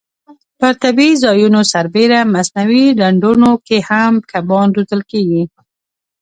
پر طبیعي ځایونو سربېره مصنوعي ډنډونو کې هم کبان روزل کېږي.